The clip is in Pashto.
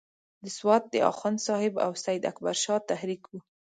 د سوات د اخوند صاحب او سید اکبر شاه تحریک وو.